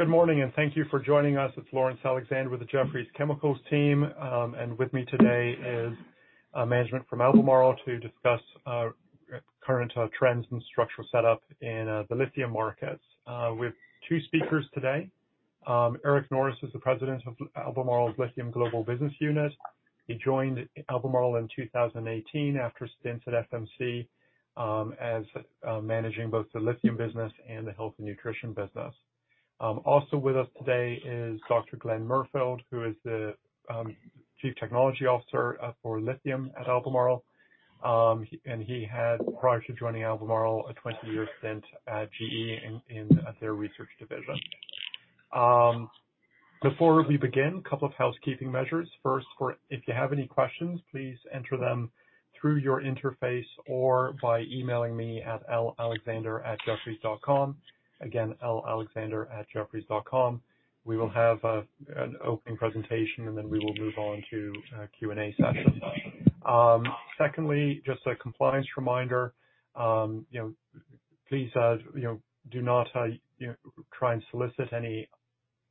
Good morning, and thank you for joining us. It's Laurence Alexander with the Jefferies Chemicals team. With me today is management from Albemarle to discuss current trends and structural setup in the lithium markets. We have two speakers today. Eric Norris is the President of Albemarle's Lithium Global Business Unit. He joined Albemarle in 2018 after stints at FMC, managing both the lithium business and the health and nutrition business. With us today is Dr. Glen Merfeld, who is the Chief Technology Officer for lithium at Albemarle. He had, prior to joining Albemarle, a 20-year stint at GE in their research division. Before we begin, a couple of housekeeping measures. First, if you have any questions, please enter them through your interface or by emailing me at lalexander@jefferies.com. Again, lalexander@jefferies.com. We will have an opening presentation, then we will move on to a Q&A session. Secondly, just a compliance reminder. Please do not try and solicit any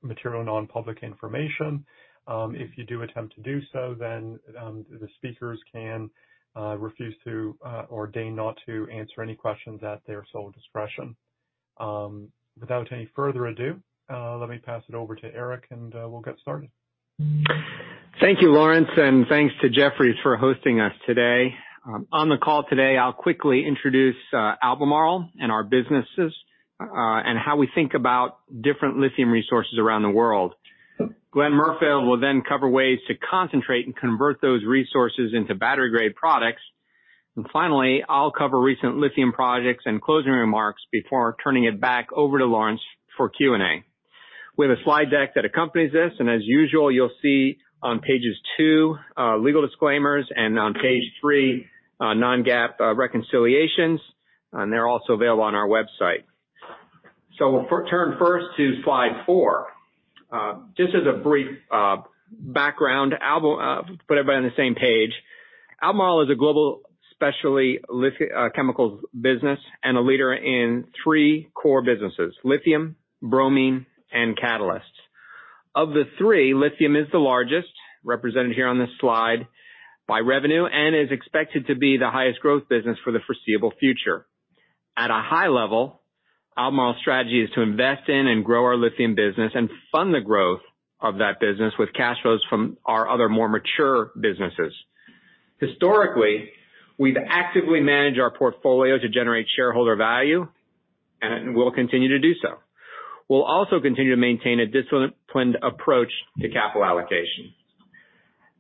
material non-public information. If you do attempt to do so, then the speakers can refuse to or deign not to answer any questions at their sole discretion. Without any further ado, let me pass it over to Eric, and we'll get started. Thank you, Laurence, and thanks to Jefferies for hosting us today. On the call today, I'll quickly introduce Albemarle and our businesses and how we think about different lithium resources around the world. Glen Merfeld will then cover ways to concentrate and convert those resources into battery-grade products. Finally, I'll cover recent lithium projects and closing remarks before turning it back over to Laurence for Q&A. We have a slide deck that accompanies this, as usual, you'll see on pages two legal disclaimers and on page three non-GAAP reconciliations. They're also available on our website. We'll turn first to slide four. Just as a brief background, put everybody on the same page. Albemarle is a global specialty chemicals business and a leader in three core businesses, lithium, bromine, and catalysts. Of the three, lithium is the largest, represented here on this slide by revenue, and is expected to be the highest growth business for the foreseeable future. At a high level, Albemarle's strategy is to invest in and grow our lithium business and fund the growth of that business with cash flows from our other, more mature businesses. Historically, we've actively managed our portfolio to generate shareholder value, and we'll continue to do so. We'll also continue to maintain a disciplined approach to capital allocation.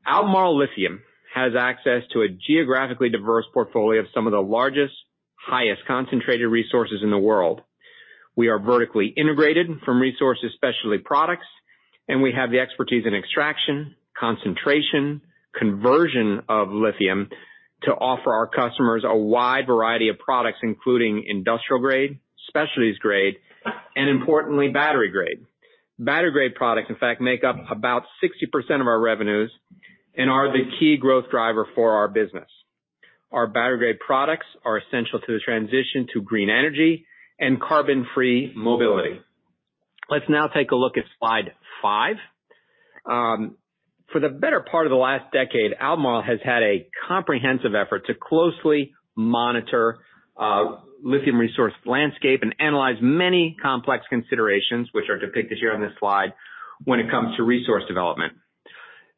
Albemarle Lithium has access to a geographically diverse portfolio of some of the largest, highest concentrated resources in the world. We are vertically integrated from resources specialty products, and we have the expertise in extraction, concentration, conversion of lithium to offer our customers a wide variety of products, including industrial grade, specialties grade, and importantly, battery-grade. Battery-grade products, in fact, make up about 60% of our revenues and are the key growth driver for our business. Our battery-grade products are essential to the transition to green energy and carbon-free mobility. Let's now take a look at slide five. For the better part of the last decade, Albemarle has had a comprehensive effort to closely monitor lithium resource landscape and analyze many complex considerations, which are depicted here on this slide when it comes to resource development.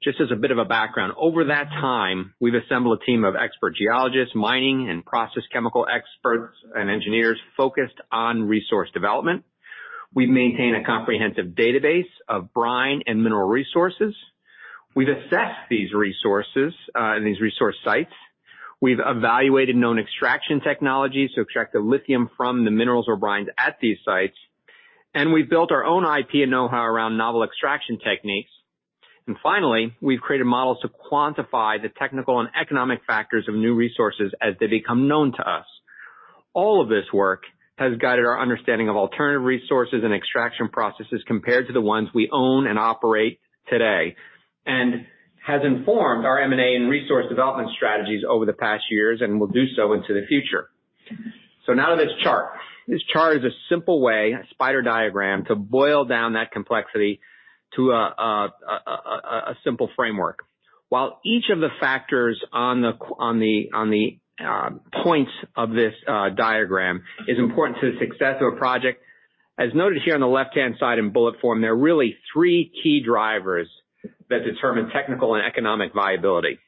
Just as a bit of a background, over that time, we've assembled a team of expert geologists, mining and process chemical experts, and engineers focused on resource development. We maintain a comprehensive database of brine and mineral resources. We've assessed these resources and these resource sites. We've evaluated known extraction technologies to extract the lithium from the minerals or brines at these sites. We've built our own IP and know-how around novel extraction techniques. Finally, we've created models to quantify the technical and economic factors of new resources as they become known to us. All of this work has guided our understanding of alternative resources and extraction processes compared to the ones we own and operate today, and has informed our M&A and resource development strategies over the past years and will do so into the future. Now to this chart. This chart is a simple way, a spider diagram, to boil down that complexity to a simple framework. While each of the factors on the points of this diagram is important to the success of a project, as noted here on the left-hand side in bullet form, there are really three key drivers that determine technical and economic viability.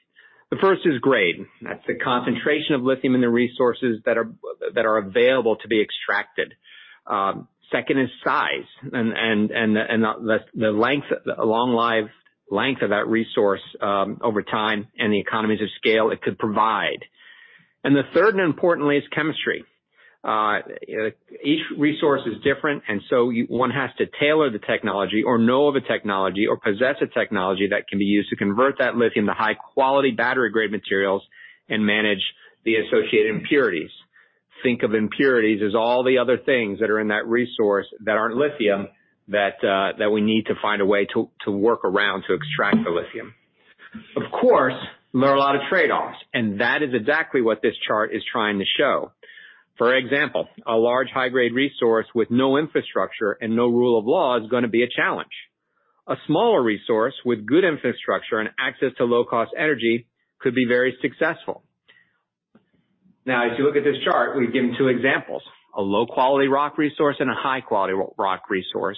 The first is grade. That's the concentration of lithium in the resources that are available to be extracted. Second is size and the long life length of that resource over time and the economies of scale it could provide. The third, and importantly, is chemistry. Each resource is different, and so one has to tailor the technology or know of a technology or possess a technology that can be used to convert that lithium to high-quality battery-grade materials and manage the associated impurities. Think of impurities as all the other things that are in that resource that aren't lithium that we need to find a way to work around to extract the lithium. Of course, there are a lot of trade-offs, and that is exactly what this chart is trying to show. For example, a large high-grade resource with no infrastructure and no rule of law is going to be a challenge. A smaller resource with good infrastructure and access to low-cost energy could be very successful. As you look at this chart, we've given two examples, a low-quality rock resource and a high-quality rock resource.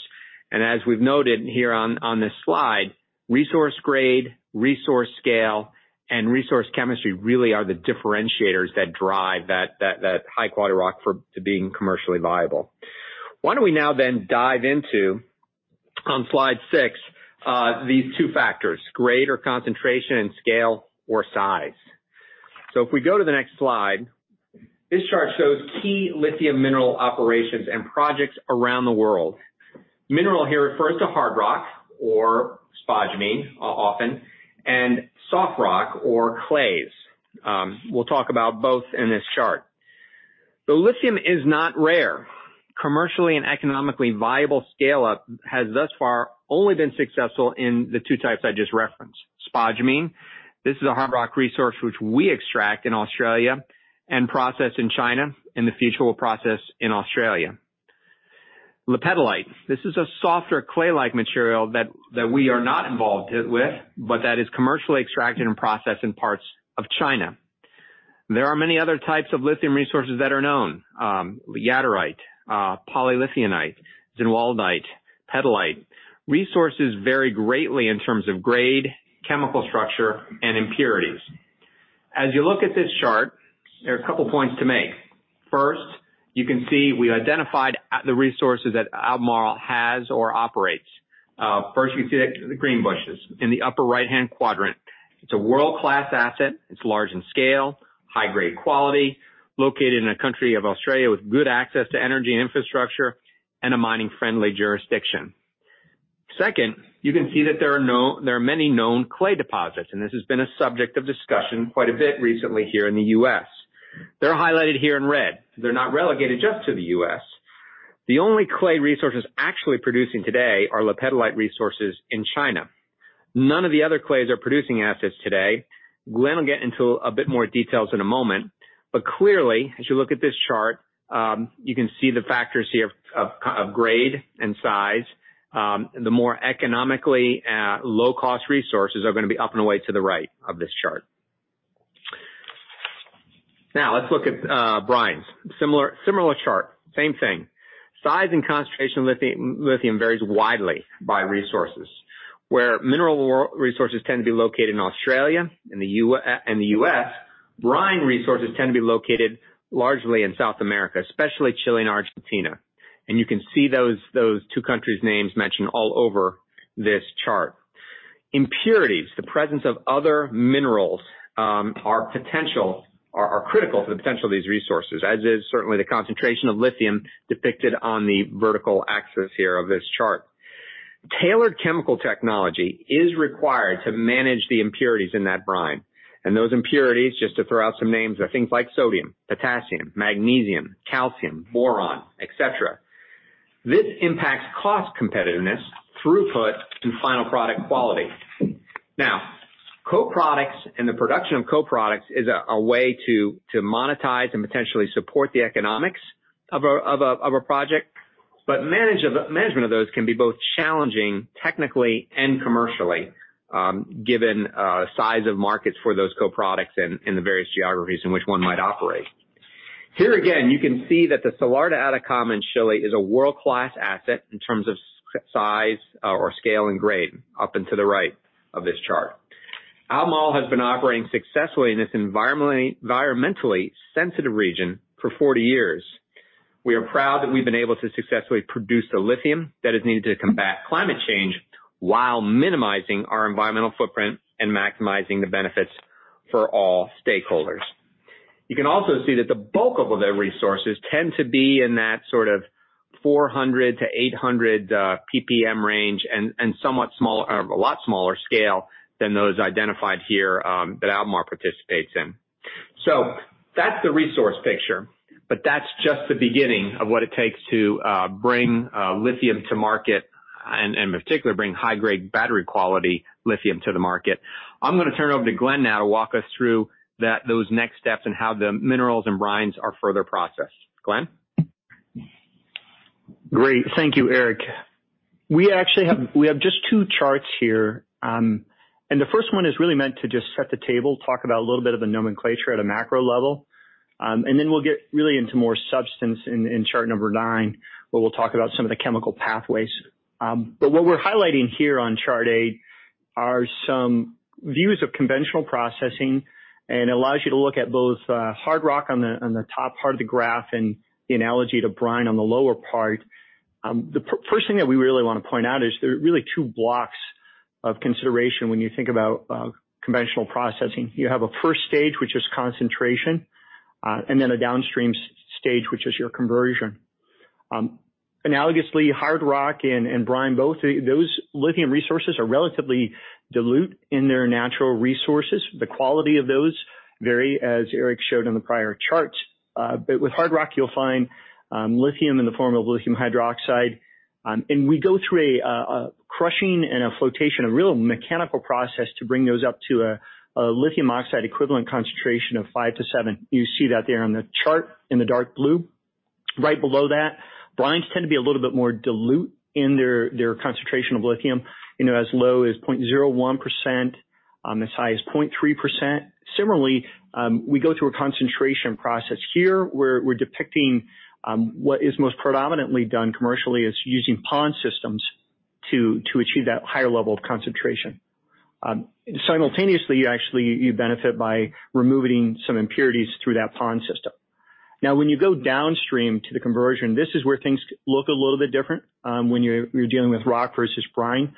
As we've noted here on this slide, resource grade, resource scale, and resource chemistry really are the differentiators that drive that high-quality rock for to being commercially viable. Why don't we now then dive into, on slide six, these two factors, grade or concentration, and scale or size. If we go to the next slide, this chart shows key lithium mineral operations and projects around the world. Mineral here refers to hard rock, or spodumene often, and soft rock or clays. We'll talk about both in this chart. Lithium is not rare. Commercially and economically viable scale-up has thus far only been successful in the two types I just referenced. Spodumene, this is a hard rock resource which we extract in Australia and process in China. In the future, we'll process in Australia. Lepidolite, this is a softer clay-like material that we are not involved with, but that is commercially extracted and processed in parts of China. There are many other types of lithium resources that are known. Jadarite, polylithionite, zinnwaldite, petalite. Resources vary greatly in terms of grade, chemical structure and impurities. As you look at this chart, there are a couple points to make. First, you can see we identified the resources that Albemarle has or operates. First, you see that the Greenbushes in the upper right-hand quadrant. It's a world-class asset. It's large in scale, high grade quality, located in a country of Australia with good access to energy and infrastructure, and a mining friendly jurisdiction. Second, you can see that there are many known clay deposits, and this has been a subject of discussion quite a bit recently here in the U.S. They're highlighted here in red. They're not relegated just to the U.S. The only clay resources actually producing today are lepidolite resources in China. None of the other clays are producing assets today. Glen will get into a bit more details in a moment, but clearly, as you look at this chart, you can see the factors here of grade and size. The more economically low-cost resources are going to be up and away to the right of this chart. Now let's look at brines. Similar chart, same thing. Size and concentration of lithium varies widely by resources. Where mineral resources tend to be located in Australia and the U.S., brine resources tend to be located largely in South America, especially Chile and Argentina. You can see those two countries' names mentioned all over this chart. Impurities, the presence of other minerals are critical to the potential of these resources, as is certainly the concentration of lithium depicted on the vertical axis here of this chart. Tailored chemical technology is required to manage the impurities in that brine. Those impurities, just to throw out some names, are things like sodium, potassium, magnesium, calcium, boron, et cetera. This impacts cost competitiveness, throughput, and final product quality. Co-products and the production of co-products is a way to monetize and potentially support the economics of a project, but management of those can be both challenging technically and commercially, given size of markets for those co-products in the various geographies in which one might operate. Here again, you can see that the Salar de Atacama in Chile is a world-class asset in terms of size or scale and grade up and to the right of this chart. Albemarle has been operating successfully in this environmentally sensitive region for 40 years. We are proud that we've been able to successfully produce the lithium that is needed to combat climate change while minimizing our environmental footprint and maximizing the benefits for all stakeholders. You can also see that the bulk of the resources tend to be in that sort of 400-800 PPM range and a lot smaller scale than those identified here that Albemarle participates in. That's the resource picture. That's just the beginning of what it takes to bring lithium to market and in particular bring high-grade battery-grade lithium to the market. I'm going to turn it over to Glen now to walk us through those next steps and how the minerals and brines are further processed. Glen? Great. Thank you, Eric. We actually have just two charts here. The first one is really meant to just set the table, talk about a little bit of the nomenclature at a macro level. Then we'll get really into more substance in chart number nine, where we'll talk about some of the chemical pathways. What we're highlighting here on chart eight are some views of conventional processing and allows you to look at both hard rock on the top part of the graph and the analogy to brine on the lower part. The first thing that we really want to point out is there are really two blocks of consideration when you think about conventional processing. You have a first stage, which is concentration, and then a downstream stage, which is your conversion. Analogously, hard rock and brine both, those lithium resources are relatively dilute in their natural resources. The quality of those vary, as Eric showed on the prior charts. With hard rock, you'll find lithium in the form of lithium hydroxide. We go through a crushing and a flotation, a real mechanical process to bring those up to a lithium oxide equivalent concentration of five to seven. You see that there on the chart in the dark blue right below that. Brines tend to be a little bit more dilute in their concentration of lithium, as low as 0.01%, as high as 0.3%. Similarly, we go through a concentration process here where we're depicting what is most predominantly done commercially is using pond systems to achieve that higher level of concentration. Simultaneously, you actually benefit by removing some impurities through that pond system. When you go downstream to the conversion, this is where things look a little bit different, when you're dealing with rock versus brine.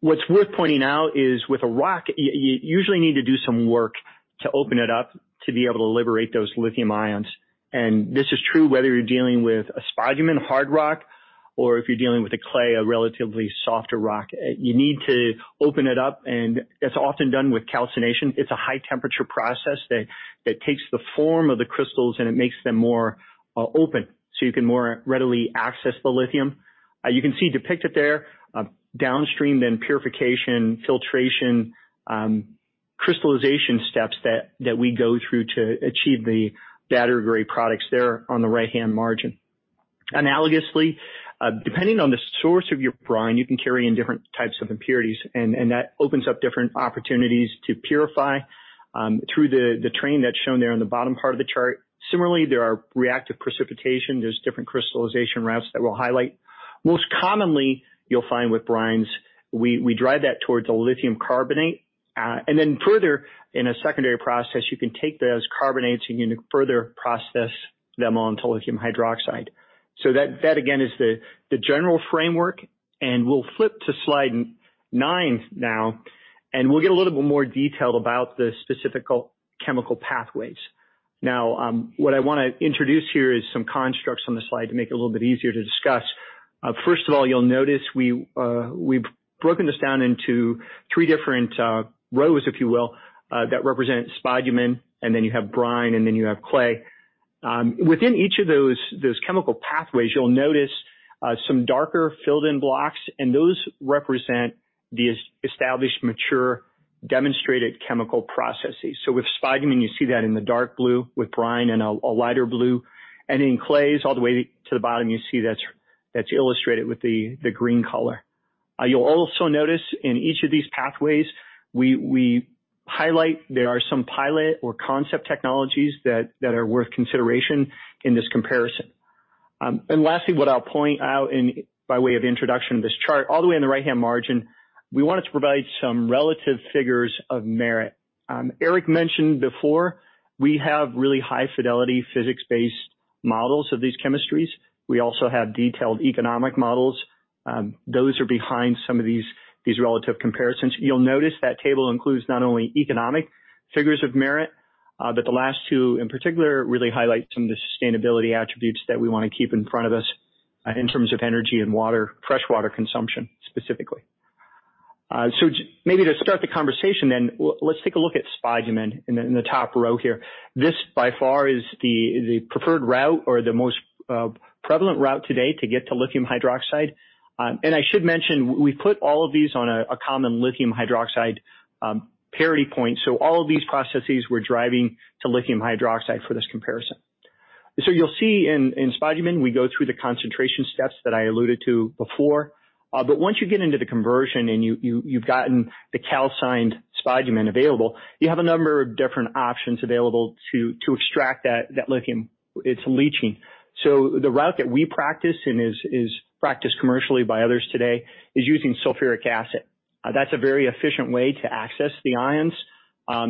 What's worth pointing out is, with a rock, you usually need to do some work to open it up to be able to liberate those lithium ions. This is true whether you're dealing with a spodumene hard rock or if you're dealing with a clay, a relatively softer rock. You need to open it up, it's often done with calcination. It's a high temperature process that takes the form of the crystals, it makes them more open so you can more readily access the lithium. You can see depicted there, downstream, purification, filtration, crystallization steps that we go through to achieve the battery-grade products there on the right-hand margin. Analogously, depending on the source of your brine, you can carry in different types of impurities, and that opens up different opportunities to purify through the train that's shown there on the bottom part of the chart. Similarly, there's different crystallization routes that we'll highlight. Most commonly, you'll find with brines, we drive that towards a lithium carbonate. Then further, in a secondary process, you can take those carbonates, and you can further process them on to lithium hydroxide. That again, is the general framework, and we'll flip to slide nine now, and we'll get a little bit more detail about the specific chemical pathways. Now, what I want to introduce here is some constructs on the slide to make it a little bit easier to discuss. First of all, you'll notice we've broken this down into three different rows, if you will, that represent spodumene, and then you have brine, and then you have clay. Within each of those chemical pathways, you'll notice some darker filled-in blocks. Those represent the established, mature, demonstrated chemical processes. With spodumene, you see that in the dark blue, with brine in a lighter blue, and in clays, all the way to the bottom, you see that's illustrated with the green color. You'll also notice in each of these pathways we highlight there are some pilot or concept technologies that are worth consideration in this comparison. Lastly, what I'll point out by way of introduction of this chart, all the way on the right-hand margin, we wanted to provide some relative figures of merit. Eric mentioned before we have really high fidelity physics-based models of these chemistries. We also have detailed economic models. Those are behind some of these relative comparisons. You'll notice that table includes not only economic figures of merit, but the last two in particular really highlight some of the sustainability attributes that we want to keep in front of us in terms of energy and water, fresh water consumption, specifically. Maybe to start the conversation then, let's take a look at spodumene in the top row here. This, by far, is the preferred route or the most prevalent route today to get to lithium hydroxide. I should mention, we put all of these on a common lithium hydroxide parity point. All of these processes we're driving to lithium hydroxide for this comparison. You'll see in spodumene, we go through the concentration steps that I alluded to before. Once you get into the conversion and you've gotten the calcined spodumene available, you have a number of different options available to extract that lithium. It's leaching. The route that we practice and is practiced commercially by others today is using sulfuric acid. That's a very efficient way to access the ions.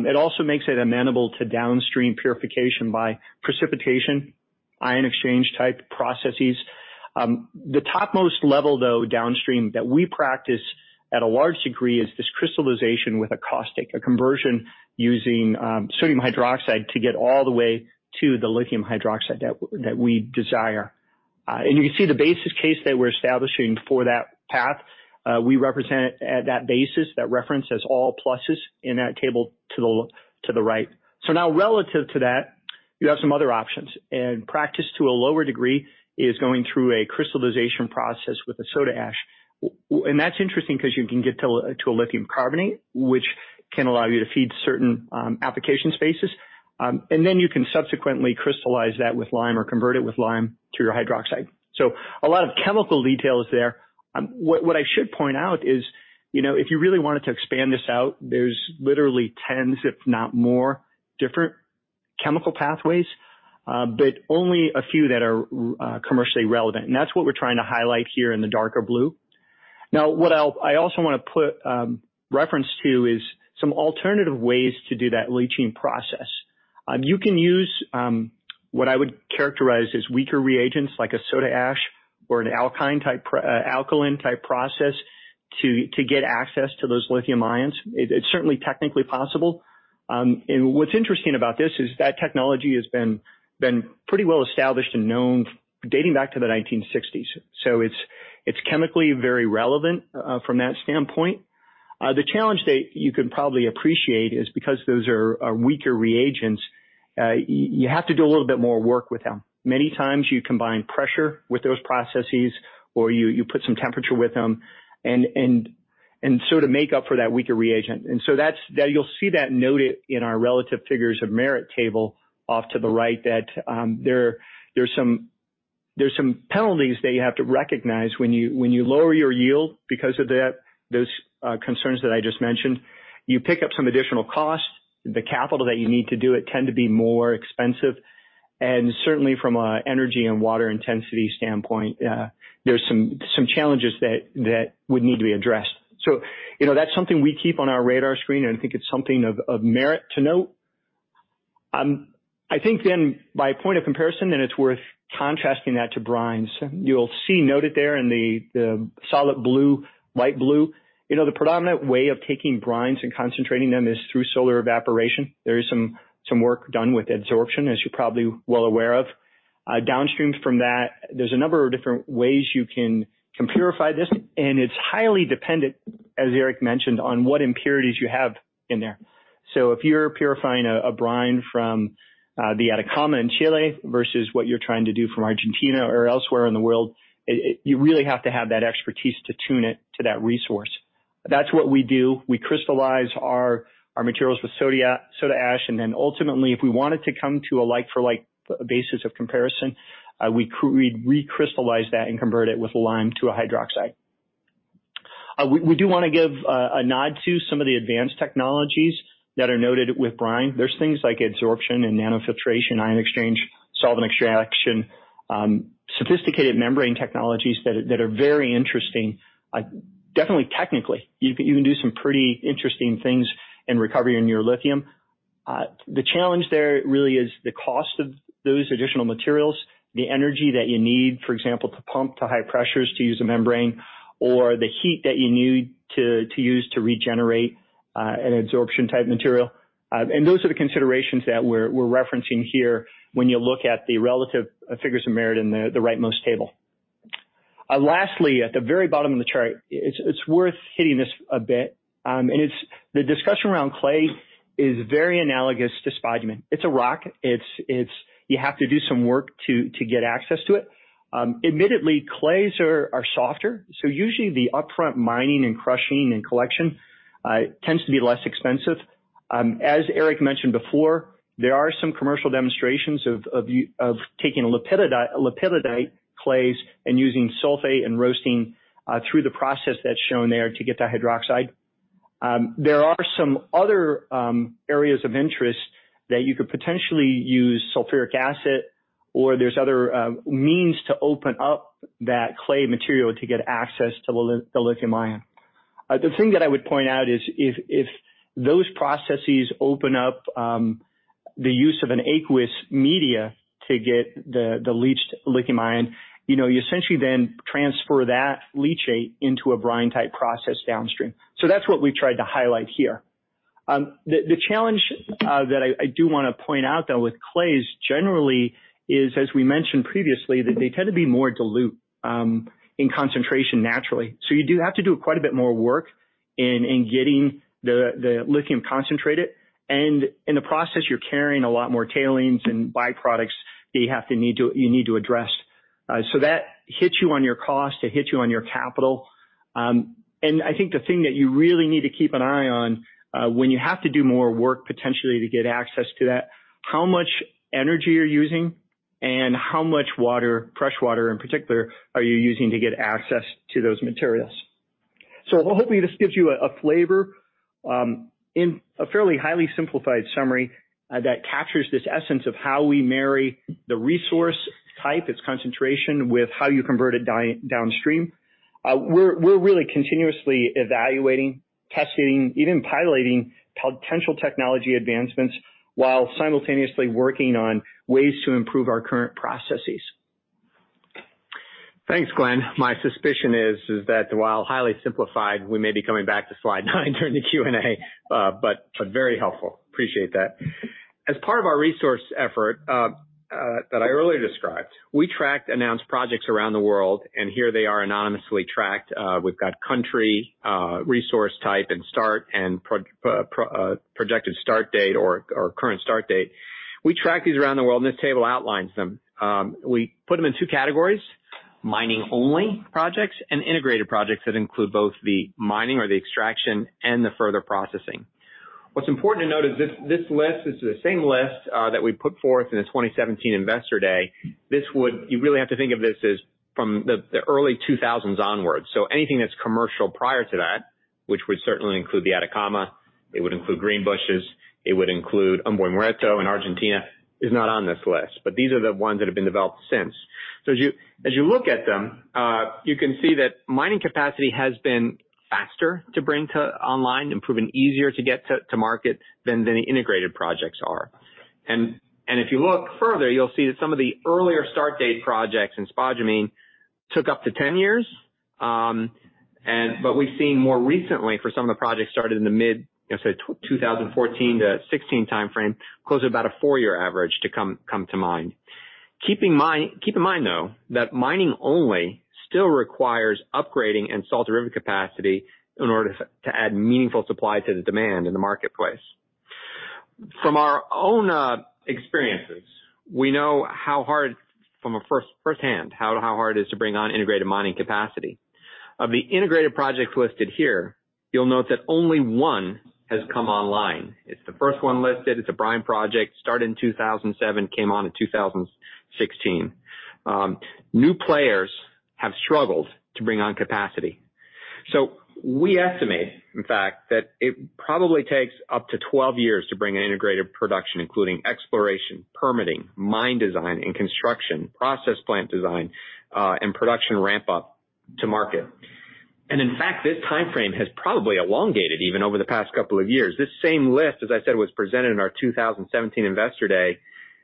It also makes it amenable to downstream purification by precipitation, ion exchange type processes. The topmost level, though, downstream that we practice at a large degree is this crystallization with a caustic, a conversion using sodium hydroxide to get all the way to the lithium hydroxide that we desire. You can see the basis case that we're establishing for that path. We represent at that basis, that reference as all pluses in that table to the right. Now relative to that, you have some other options. Practice to a lower degree is going through a crystallization process with a soda ash. That's interesting because you can get to a lithium carbonate, which can allow you to feed certain application spaces. Then you can subsequently crystallize that with lime or convert it with lime to your hydroxide. A lot of chemical details there. What I should point out is, if you really wanted to expand this out, there's literally tens, if not more, different chemical pathways, but only a few that are commercially relevant. That's what we're trying to highlight here in the darker blue. Now, what I also want to put reference to is some alternative ways to do that leaching process. You can use what I would characterize as weaker reagents, like a soda ash or an alkaline type process to get access to those lithium ions. It's certainly technically possible. What's interesting about this is that technology has been pretty well established and known dating back to the 1960s. It's chemically very relevant from that standpoint. The challenge that you can probably appreciate is because those are weaker reagents, you have to do a little bit more work with them. Many times you combine pressure with those processes, or you put some temperature with them to make up for that weaker reagent. You'll see that noted in our relative figures of merit table off to the right, that there's some penalties that you have to recognize when you lower your yield because of those concerns that I just mentioned. You pick up some additional costs, the capital that you need to do it tend to be more expensive, and certainly from an energy and water intensity standpoint, there's some challenges that would need to be addressed. That's something we keep on our radar screen, and I think it's something of merit to note. I think by point of comparison, and it's worth contrasting that to brines. You'll see noted there in the solid blue, light blue. The predominant way of taking brines and concentrating them is through solar evaporation. There is some work done with adsorption, as you're probably well aware of. Downstream from that, there's a number of different ways you can purify this, and it's highly dependent, as Eric mentioned, on what impurities you have in there. If you're purifying a brine from the Atacama in Chile versus what you're trying to do from Argentina or elsewhere in the world, you really have to have that expertise to tune it to that resource. That's what we do. We crystallize our materials with soda ash, and then ultimately, if we want it to come to a like for like basis of comparison, we'd recrystallize that and convert it with lime to a hydroxide. We do want to give a nod to some of the advanced technologies that are noted with brine. There's things like adsorption and nanofiltration, ion exchange, solvent extraction, sophisticated membrane technologies that are very interesting. Definitely technically, you can do some pretty interesting things in recovering your lithium. The challenge there really is the cost of those additional materials, the energy that you need, for example, to pump to high pressures to use a membrane, or the heat that you need to use to regenerate an adsorption type material. Those are the considerations that we're referencing here when you look at the relative figures of merit in the rightmost table. Lastly, at the very bottom of the chart, it's worth hitting this a bit. The discussion around clay is very analogous to spodumene. It's a rock. You have to do some work to get access to it. Admittedly, clays are softer, so usually the upfront mining and crushing and collection tends to be less expensive. As Eric mentioned before, there are some commercial demonstrations of taking lepidolite clays and using sulfate and roasting through the process that's shown there to get to hydroxide. There are some other areas of interest that you could potentially use sulfuric acid or there's other means to open up that clay material to get access to the lithium ion. The thing that I would point out is if those processes open up the use of an aqueous media to get the leached lithium ion, you essentially then transfer that leachate into a brine type process downstream. That's what we tried to highlight here. The challenge that I do want to point out, though, with clays generally is, as we mentioned previously, that they tend to be more dilute in concentration naturally. You do have to do quite a bit more work in getting the lithium concentrated, and in the process, you're carrying a lot more tailings and byproducts that you need to address. That hits you on your cost, it hits you on your capital. I think the thing that you really need to keep an eye on, when you have to do more work potentially to get access to that, how much energy you're using and how much water, fresh water in particular, are you using to get access to those materials. Well, hopefully, this gives you a flavor in a fairly highly simplified summary that captures this essence of how we marry the resource type, its concentration with how you convert it downstream. We're really continuously evaluating, testing, even piloting potential technology advancements while simultaneously working on ways to improve our current processes. Thanks, Glen. My suspicion is that while highly simplified, we may be coming back to slide nine during the Q&A but very helpful. Appreciate that. As part of our resource effort that I earlier described, we tracked announced projects around the world, and here they are anonymously tracked. We've got country, resource type, and start, and projected start date or current start date. We track these around the world, and this table outlines them. We put them in two categories, mining only projects and integrated projects that include both the mining or the extraction and the further processing. What's important to note is this list is the same list that we put forth in the 2017 Investor Day. You really have to think of this as from the early 2000s onwards. Anything that's commercial prior to that, which would certainly include the Atacama, it would include Greenbushes, it would include Hombre Muerto in Argentina, is not on this list. These are the ones that have been developed since. As you look at them, you can see that mining capacity has been faster to bring to online and proven easier to get to market than the integrated projects are. If you look further, you'll see that some of the earlier start date projects in spodumene took up to 10 years, but we've seen more recently for some of the projects started in the mid, say, 2014-2016 timeframe, closer to about a four-year average to come to mine. Keep in mind, though, that mining only still requires upgrading and salt derivative capacity in order to add meaningful supply to the demand in the marketplace. From our own experiences, we know from firsthand how hard it is to bring on integrated mining capacity. Of the integrated projects listed here, you'll note that only one has come online. It's the first one listed. It's a brine project, started in 2007, came on in 2016. New players have struggled to bring on capacity. We estimate, in fact, that it probably takes up to 12 years to bring an integrated production, including exploration, permitting, mine design and construction, process plant design, and production ramp-up to market. In fact, this timeframe has probably elongated even over the past couple of years. This same list, as I said, was presented in our 2017 Investor Day,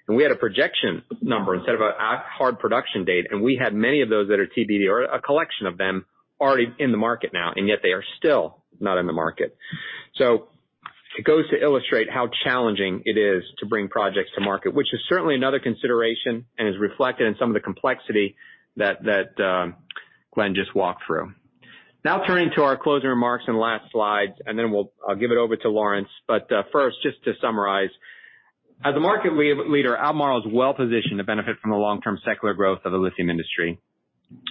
and we had a projection number instead of a hard production date, and we had many of those that are TBD, or a collection of them, already in the market now, and yet they are still not in the market. It goes to illustrate how challenging it is to bring projects to market, which is certainly another consideration and is reflected in some of the complexity that Glen just walked through. Now turning to our closing remarks and last slides, and then I'll give it over to Laurence. First, just to summarize. As a market leader, Albemarle is well positioned to benefit from the long-term secular growth of the lithium industry.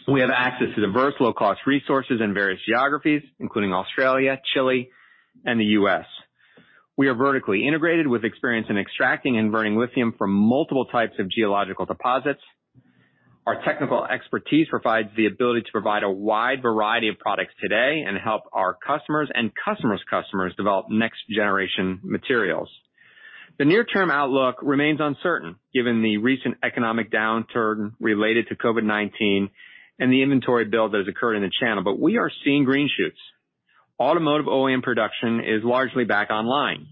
We have access to diverse low-cost resources in various geographies, including Australia, Chile, and the U.S. We are vertically integrated with experience in extracting and converting lithium from multiple types of geological deposits. Our technical expertise provides the ability to provide a wide variety of products today and help our customers and customers' customers develop next-generation materials. The near-term outlook remains uncertain given the recent economic downturn related to COVID-19 and the inventory build that has occurred in the channel. We are seeing green shoots. Automotive OEM production is largely back online.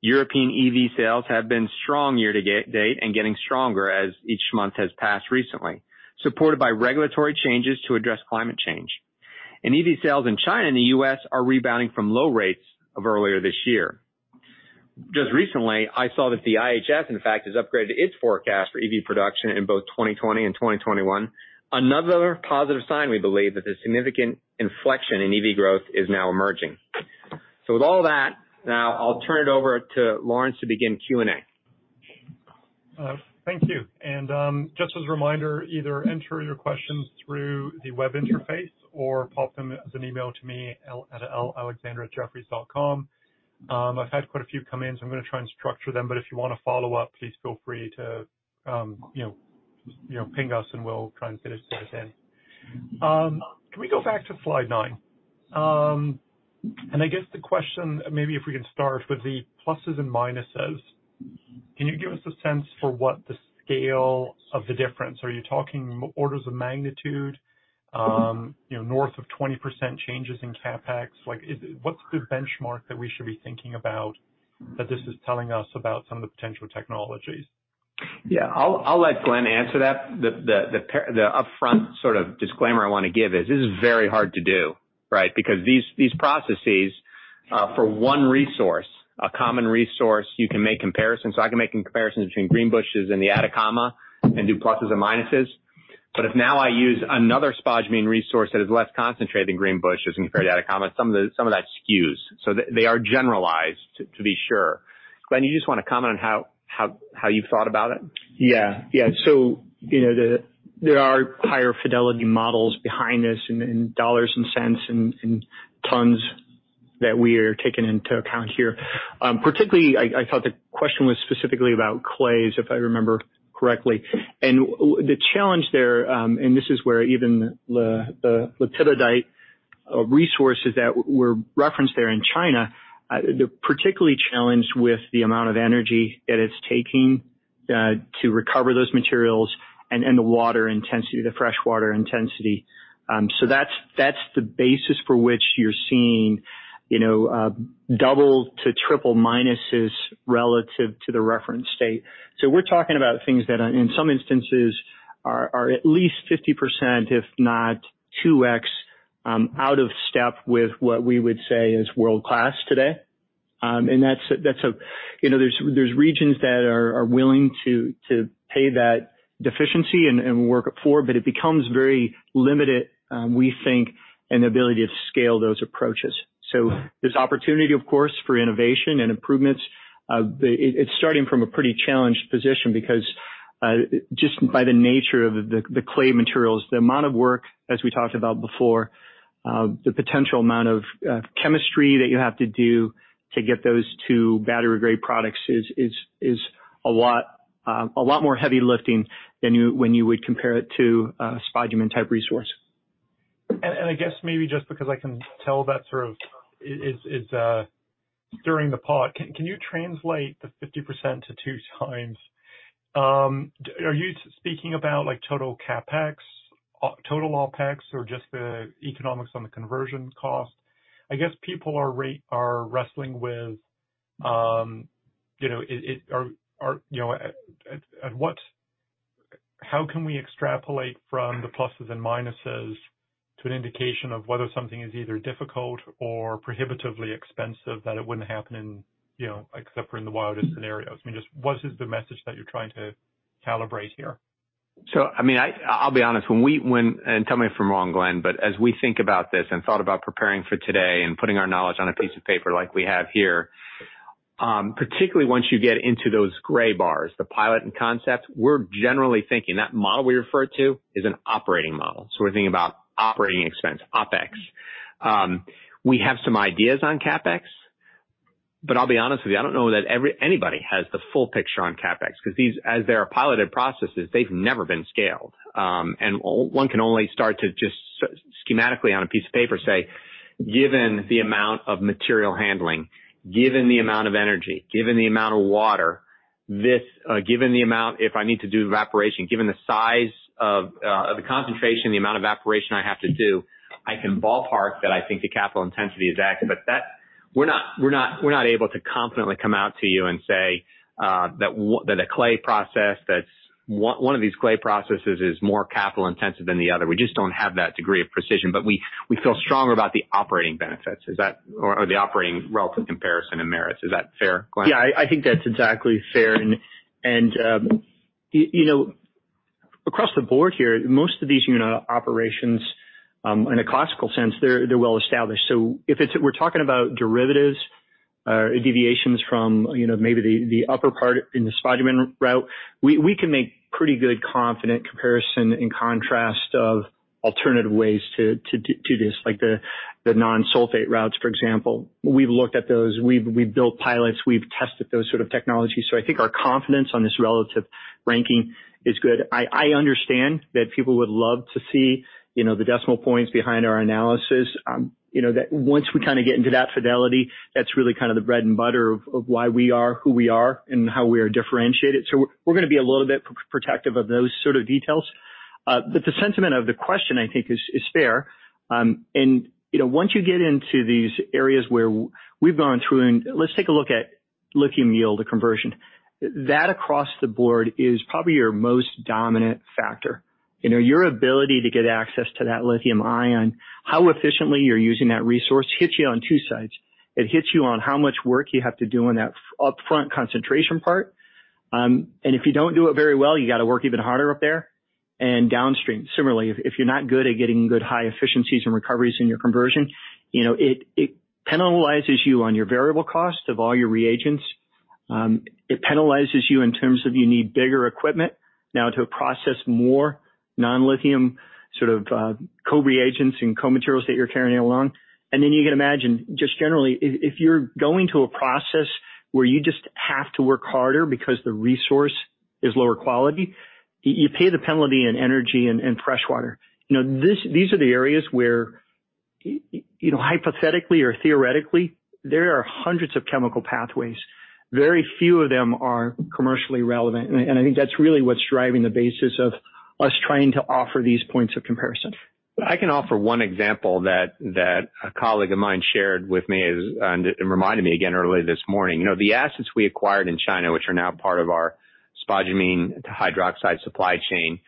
European EV sales have been strong year-to-date and getting stronger as each month has passed recently, supported by regulatory changes to address climate change. EV sales in China and the U.S. are rebounding from low rates of earlier this year. Just recently, I saw that the IHS, in fact, has upgraded its forecast for EV production in both 2020 and 2021. Another positive sign we believe that the significant inflection in EV growth is now emerging. With all that, now I'll turn it over to Laurence to begin Q&A. Thank you. Just as a reminder, either enter your questions through the web interface or pop them as an email to me at lalexander@jefferies.com. I've had quite a few come in, so I'm going to try and structure them, but if you want to follow up, please feel free to ping us and we'll try and fit it in. Can we go back to slide nine? I guess the question, maybe if we can start with the pluses and minuses. Can you give us a sense for what the scale of the difference? Are you talking orders of magnitude north of 20% changes in CapEx? What's the benchmark that we should be thinking about that this is telling us about some of the potential technologies? Yeah. I'll let Glen answer that. The upfront sort of disclaimer I want to give is this is very hard to do, right? These processes, for one resource, a common resource, you can make comparisons. I can make comparisons between Greenbushes and the Atacama and do pluses and minuses. If now I use another spodumene resource that is less concentrated than Greenbushes when you compare to Atacama, some of that skews. They are generalized to be sure. Glen, you just want to comment on how you thought about it? There are higher fidelity models behind this in dollars and cents and tons that we are taking into account here. Particularly, I thought the question was specifically about clays, if I remember correctly. The challenge there, and this is where even the lepidolite resources that were referenced there in China, they're particularly challenged with the amount of energy that it's taking to recover those materials and the water intensity, the fresh water intensity. That's the basis for which you're seeing double to triple minuses relative to the reference state. We're talking about things that, in some instances, are at least 50%, if not 2x out of step with what we would say is world-class today. There's regions that are willing to pay that deficiency and work it forward, but it becomes very limited, we think, in the ability to scale those approaches. There's opportunity, of course, for innovation and improvements. It's starting from a pretty challenged position because just by the nature of the clay materials, the amount of work, as we talked about before, the potential amount of chemistry that you have to do to get those to battery-grade products is a lot more heavy lifting than when you would compare it to a spodumene type resource. I guess maybe just because I can tell that sort of is stirring the pot, can you translate the 50% to 2x? Are you speaking about total CapEx, total OpEx, or just the economics on the conversion cost? I guess people are wrestling with how can we extrapolate from the pluses and minuses to an indication of whether something is either difficult or prohibitively expensive that it wouldn't happen except for in the wildest scenarios. What is the message that you're trying to calibrate here? I'll be honest, and tell me if I'm wrong, Glen, but as we think about this and thought about preparing for today and putting our knowledge on a piece of paper like we have here, particularly once you get into those gray bars, the pilot and concept, we're generally thinking that model we refer to is an operating model. We're thinking about operating expense, OpEx. We have some ideas on CapEx, but I'll be honest with you, I don't know that anybody has the full picture on CapEx, because these, as they are piloted processes, they've never been scaled. One can only start to just schematically on a piece of paper say, given the amount of material handling, given the amount of energy, given the amount of water, given the amount if I need to do evaporation, given the size of the concentration, the amount of evaporation I have to do, I can ballpark that I think the capital intensity is X. We're not able to confidently come out to you and say that one of these clay processes is more capital-intensive than the other. We just don't have that degree of precision, but we feel stronger about the operating benefits or the operating relative comparison and merits. Is that fair, Glen? Yeah, I think that's exactly fair. Across the board here, most of these operations, in a classical sense, they're well established. If we're talking about derivatives or deviations from maybe the upper part in the spodumene route, we can make pretty good confident comparison in contrast of alternative ways to this, like the non-sulfate routes, for example. We've looked at those, we've built pilots, we've tested those sort of technologies. I think our confidence on this relative ranking is good. I understand that people would love to see the decimal points behind our analysis. Once we get into that fidelity, that's really the bread and butter of why we are who we are and how we are differentiated, so we're going to be a little bit protective of those sort of details. The sentiment of the question, I think, is fair. Once you get into these areas where we've gone through. Let's take a look at lithium yield, the conversion. That across the board is probably your most dominant factor. Your ability to get access to that lithium ion, how efficiently you're using that resource hits you on two sides. It hits you on how much work you have to do on that upfront concentration part. If you don't do it very well, you got to work even harder up there and downstream. Similarly, if you're not good at getting good high efficiencies and recoveries in your conversion, it penalizes you on your variable cost of all your reagents. It penalizes you in terms of you need bigger equipment now to process more non-lithium sort of co-reagents and co-materials that you're carrying along. You can imagine, just generally, if you're going to a process where you just have to work harder because the resource is lower quality, you pay the penalty in energy and freshwater. These are the areas where hypothetically or theoretically, there are hundreds of chemical pathways. Very few of them are commercially relevant. I think that's really what's driving the basis of us trying to offer these points of comparison. I can offer one example that a colleague of mine shared with me and reminded me again early this morning. The assets we acquired in China, which are now part of our spodumene hydroxide supply chain,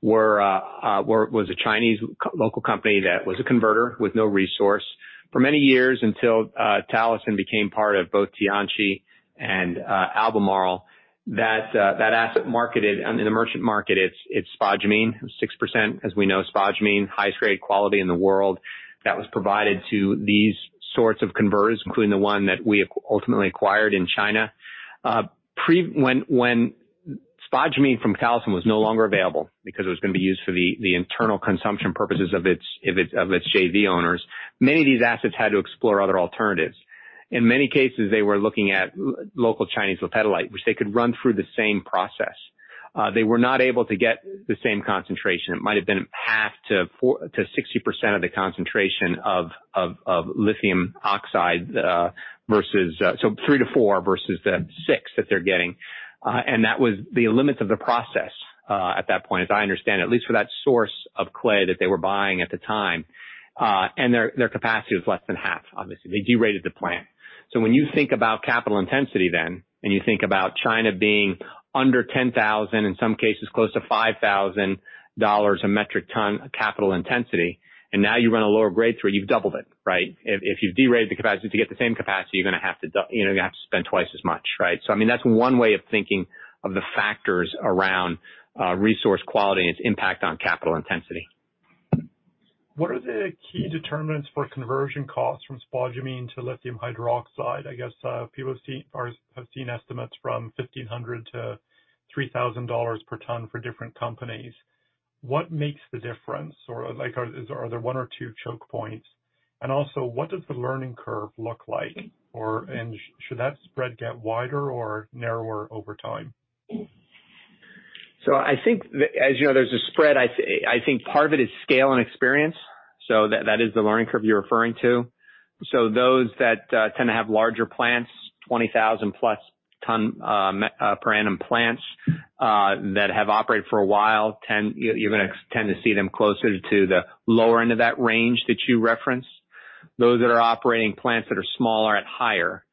was a Chinese local company that was a converter with no resource. For many years, until Talison became part of both Tianqi and Albemarle, that asset marketed in the merchant market its spodumene, 6%, as we know, spodumene, highest grade quality in the world, that was provided to these sorts of converters, including the one that we ultimately acquired in China. When spodumene from Talison was no longer available because it was going to be used for the internal consumption purposes of its JV owners, many of these assets had to explore other alternatives. In many cases, they were looking at local Chinese lepidolite, which they could run through the same process. They were not able to get the same concentration. It might've been half to 60% of the concentration of lithium oxide, so three to four versus the six that they're getting. That was the limits of the process at that point, as I understand, at least for that source of clay that they were buying at the time. Their capacity was less than half, obviously. They derated the plant. When you think about capital intensity then, and you think about China being under $10,000, in some cases close to $5,000 a metric ton capital intensity, and now you run a lower grade through it, you've doubled it, right? If you derate the capacity to get the same capacity, you're going to have to spend twice as much, right? That's one way of thinking of the factors around resource quality and its impact on capital intensity. What are the key determinants for conversion costs from spodumene to lithium hydroxide? I guess people have seen estimates from $1,500-$3,000 per ton for different companies. What makes the difference? Are there one or two choke points? Also, what does the learning curve look like? Should that spread get wider or narrower over time? I think, as you know, there's a spread. I think part of it is scale and experience. That is the learning curve you're referring to. Those that tend to have larger plants, 20,000-plus ton per annum plants that have operated for a while, you're going to tend to see them closer to the lower end of that range that you referenced. Those that are operating plants that are smaller at higher.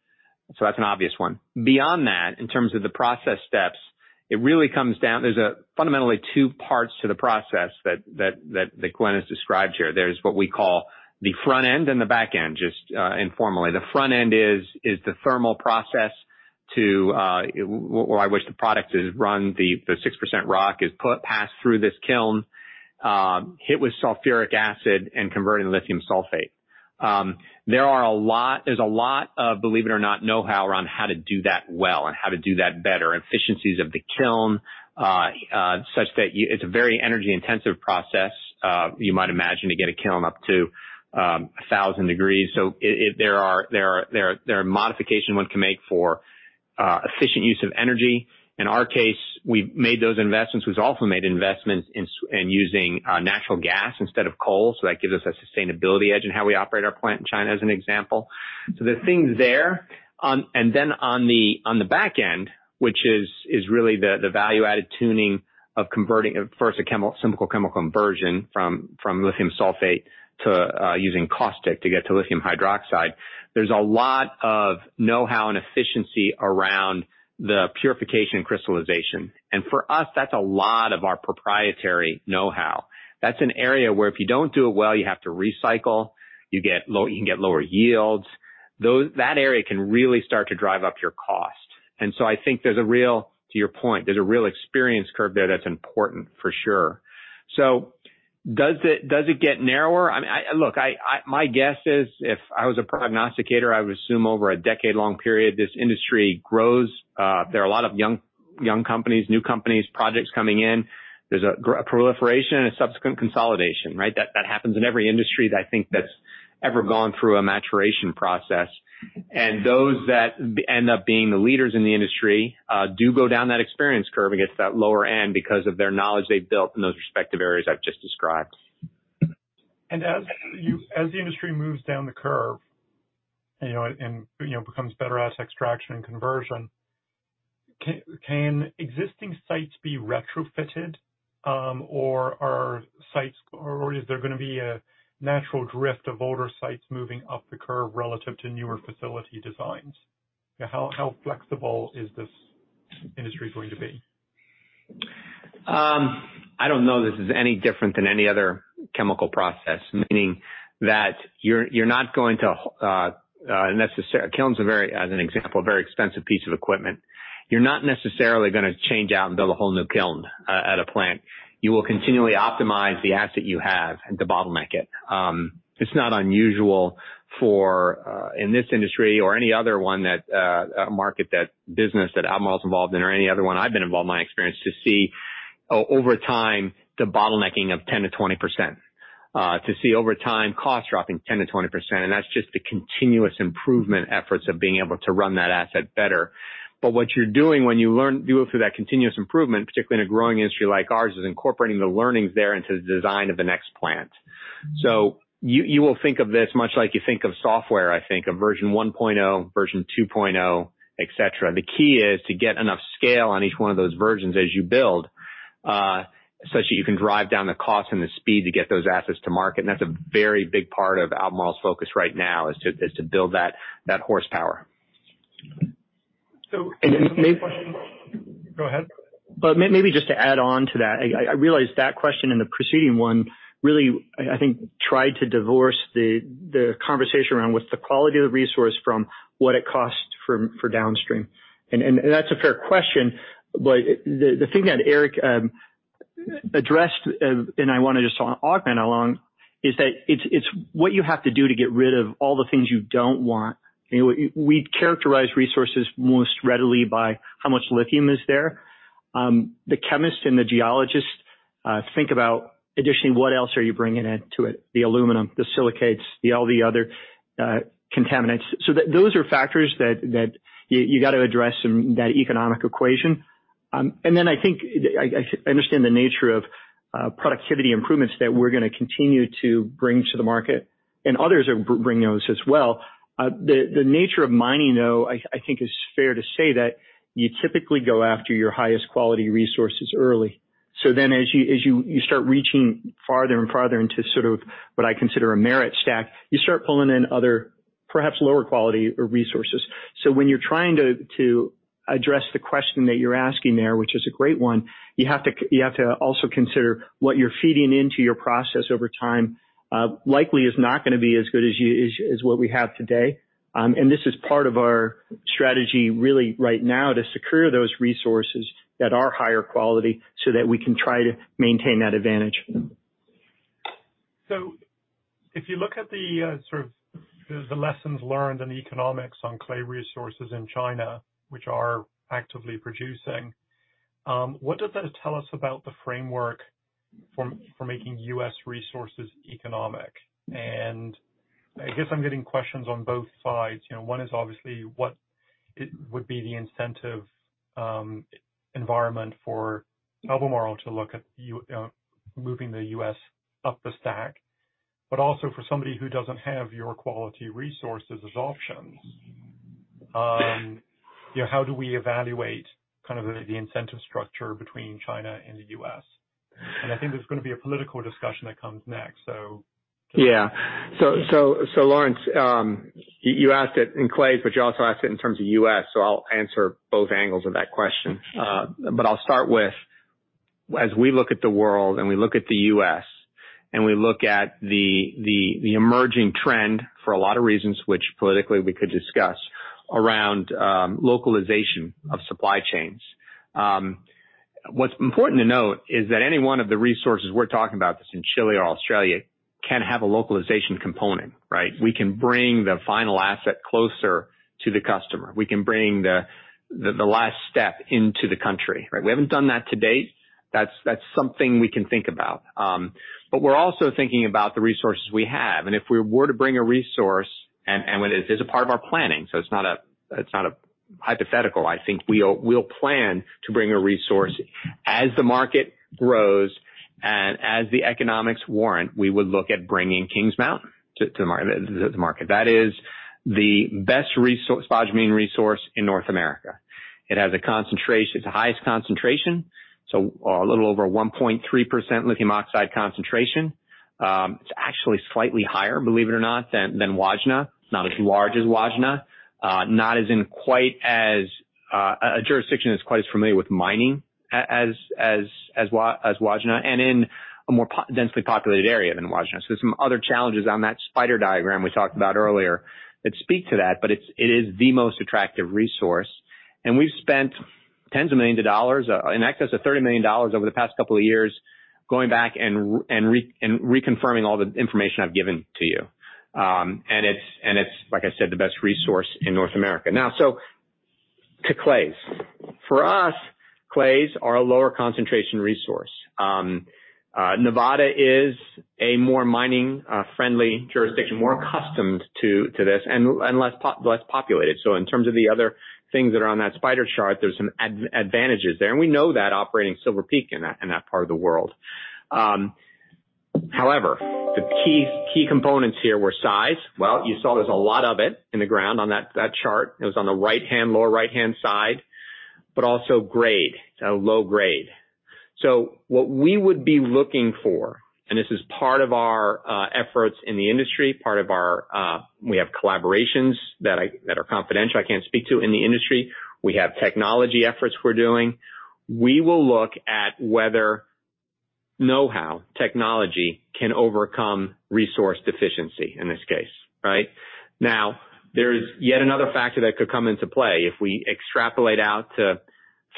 That's an obvious one. Beyond that, in terms of the process steps, it really comes down. There's fundamentally two parts to the process that Glen has described here. There's what we call the front end and the back end, just informally. The front end is the thermal process to where the product is run. The 6% rock is passed through this kiln, hit with sulfuric acid, and converted to lithium sulfate. There's a lot of, believe it or not, know-how around how to do that well and how to do that better. Efficiencies of the kiln, such that it's a very energy-intensive process. You might imagine to get a kiln up to 1,000 degrees. There are modifications one can make for efficient use of energy. In our case, we've made those investments. We've also made investments in using natural gas instead of coal. That gives us a sustainability edge in how we operate our plant in China, as an example. The things there. On the back end, which is really the value-added tuning of converting, first a simple chemical conversion from lithium sulfate to using caustic to get to lithium hydroxide. There's a lot of know-how and efficiency around the purification and crystallization. For us, that's a lot of our proprietary know-how. That's an area where if you don't do it well, you have to recycle. You can get lower yields. That area can really start to drive up your cost. I think there's a real, to your point, there's a real experience curve there that's important, for sure. Does it get narrower? Look, my guess is if I was a prognosticator, I would assume over a decade-long period, this industry grows. There are a lot of young companies, new companies, projects coming in. There's a proliferation and a subsequent consolidation, right? That happens in every industry that I think that's ever gone through a maturation process. Those that end up being the leaders in the industry do go down that experience curve and gets to that lower end because of their knowledge they've built in those respective areas I've just described. As the industry moves down the curve and becomes better at extraction and conversion, can existing sites be retrofitted? Is there going to be a natural drift of older sites moving up the curve relative to newer facility designs? How flexible is this industry going to be? I don't know this is any different than any other chemical process. A kiln is, as an example, a very expensive piece of equipment. You're not necessarily going to change out and build a whole new kiln at a plant. You will continually optimize the asset you have to bottleneck it. It's not unusual for, in this industry or any other one, that a market that business that Albemarle is involved in or any other one I've been involved in my experience to see over time, debottlenecking of 10%-20%. To see over time costs dropping 10%-20%, that's just the continuous improvement efforts of being able to run that asset better. What you're doing when you go through that continuous improvement, particularly in a growing industry like ours, is incorporating the learnings there into the design of the next plant. You will think of this much like you think of software, I think, of version 1.0, version 2.0, et cetera. The key is to get enough scale on each one of those versions as you build, such that you can drive down the cost and the speed to get those assets to market. That's a very big part of Albemarle's focus right now is to build that horsepower. So maybe- And maybe- Go ahead. Maybe just to add on to that, I realize that question and the preceding one really, I think, tried to divorce the conversation around what's the quality of the resource from what it costs for downstream. That's a fair question. The thing that Eric addressed, and I want to just augment along, is that it's what you have to do to get rid of all the things you don't want. We characterize resources most readily by how much lithium is there. The chemist and the geologist think about additionally what else are you bringing into it, the aluminum, the silicates, all the other contaminants. Those are factors that you got to address in that economic equation. I think I understand the nature of productivity improvements that we're going to continue to bring to the market and others are bringing those as well. The nature of mining, though, I think is fair to say that you typically go after your highest quality resources early. As you start reaching farther and farther into sort of what I consider a merit stack, you start pulling in other, perhaps lower quality resources. When you're trying to address the question that you're asking there, which is a great one, you have to also consider what you're feeding into your process over time likely is not going to be as good as what we have today. This is part of our strategy, really, right now to secure those resources that are higher quality so that we can try to maintain that advantage. If you look at the sort of the lessons learned and the economics on clay resources in China, which are actively producing, what does that tell us about the framework for making U.S. resources economic? I guess I'm getting questions on both sides. One is obviously what would be the incentive environment for Albemarle to look at moving the U.S. up the stack, but also for somebody who doesn't have your quality resources as options, how do we evaluate the incentive structure between China and the U.S.? I think there's going to be a political discussion that comes next. Yeah. Laurence, you asked it in clays, but you also asked it in terms of U.S., so I'll answer both angles of that question. I'll start with, as we look at the world and we look at the U.S., and we look at the emerging trend, for a lot of reasons, which politically we could discuss, around localization of supply chains. What's important to note is that any one of the resources we're talking about, this in Chile or Australia, can have a localization component, right? We can bring the final asset closer to the customer. We can bring the last step into the country, right? We haven't done that to date. That's something we can think about. We're also thinking about the resources we have. If we were to bring a resource, and this is a part of our planning, so it's not a hypothetical. I think we'll plan to bring a resource as the market grows and as the economics warrant, we would look at bringing Kings Mountain to the market. That is the best spodumene resource in North America. It has the highest concentration, so a little over 1.3% lithium oxide concentration. It's actually slightly higher, believe it or not, than Wodgina, not as large as Wodgina. A jurisdiction that's quite as familiar with mining as Wodgina, and in a more densely populated area than Wodgina. There's some other challenges on that spider diagram we talked about earlier that speak to that, but it is the most attractive resource. We've spent tens of millions of dollars, in excess of $30 million over the past couple of years, going back and reconfirming all the information I've given to you. It's, like I said, the best resource in North America. To clays. For us, clays are a lower concentration resource. Nevada is a more mining-friendly jurisdiction, more accustomed to this and less populated. In terms of the other things that are on that spider chart, there's some advantages there. We know that operating Silver Peak in that part of the world. The key components here were size. Well, you saw there's a lot of it in the ground on that chart. It was on the right-hand, lower right-hand side, but also grade. It's a low grade. What we would be looking for, and this is part of our efforts in the industry, we have collaborations that are confidential, I can't speak to, in the industry. We have technology efforts we're doing. We will look at whether know-how technology can overcome resource deficiency in this case, right? There is yet another factor that could come into play. If we extrapolate out to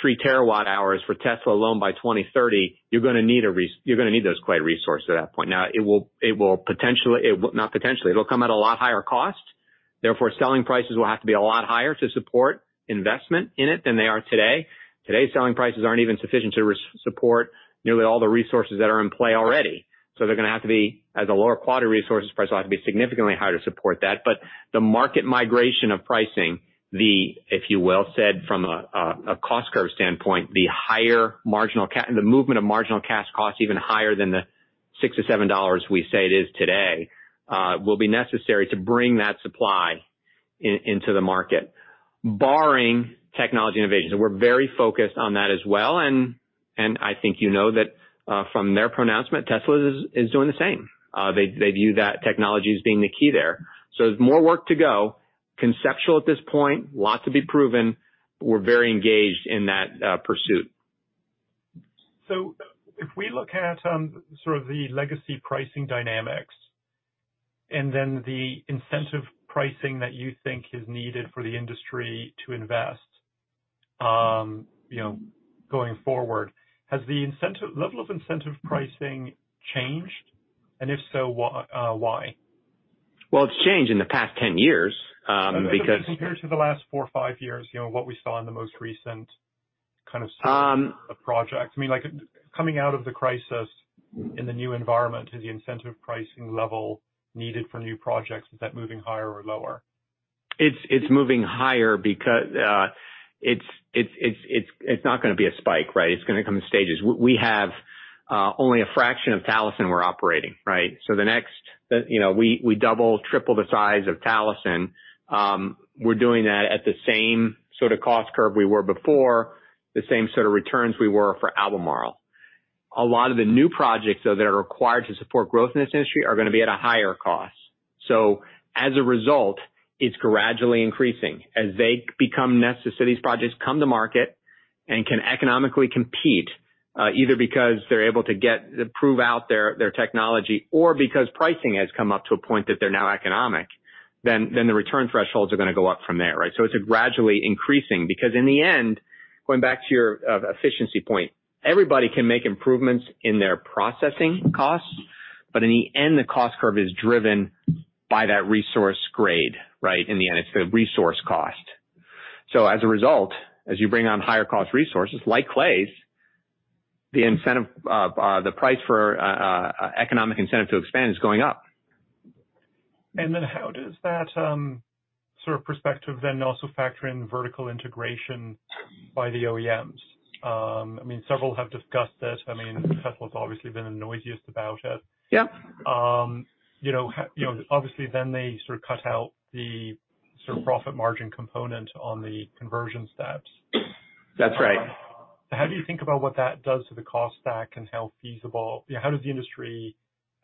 3 TWh for Tesla alone by 2030, you're going to need those clay resources at that point. It will come at a lot higher cost. Therefore, selling prices will have to be a lot higher to support investment in it than they are today. Today's selling prices aren't even sufficient to support nearly all the resources that are in play already. They're going to have to be as a lower quality resources price will have to be significantly higher to support that. The market migration of pricing, if you will, said from a cost curve standpoint, the movement of marginal cash costs even higher than the $6-$7 we say it is today, will be necessary to bring that supply into the market, barring technology innovations. We're very focused on that as well. I think you know that from their pronouncement, Tesla is doing the same. They view that technology as being the key there. There's more work to go. Conceptual at this point. A lot to be proven. We're very engaged in that pursuit. If we look at sort of the legacy pricing dynamics, and then the incentive pricing that you think is needed for the industry to invest going forward, has the level of incentive pricing changed? If so, why? Well, it's changed in the past 10 years. I meant compared to the last four or five years, what we saw in the most recent kind of set of projects. Coming out of the crisis in the new environment, is the incentive pricing level needed for new projects, is that moving higher or lower? It's moving higher because it's not going to be a spike, right? It's going to come in stages. We have only a fraction of Talison we're operating, right? We double, triple the size of Talison. We're doing that at the same sort of cost curve we were before, the same sort of returns we were for Albemarle. A lot of the new projects, though, that are required to support growth in this industry are going to be at a higher cost. As a result, it's gradually increasing. As these projects come to market and can economically compete, either because they're able to prove out their technology or because pricing has come up to a point that they're now economic, the return thresholds are going to go up from there, right? It's gradually increasing because in the end, going back to your efficiency point, everybody can make improvements in their processing costs. In the end, the cost curve is driven by that resource grade, right? In the end, it's the resource cost. As a result, as you bring on higher cost resources like clays, the price for economic incentive to expand is going up. How does that sort of perspective then also factor in vertical integration, by the OEMs. Several have discussed it. Tesla's obviously been the noisiest about it. Yep. Obviously, they sort of cut out the profit margin component on the conversion steps. That's right. How do you think about what that does to the cost stack and how does the industry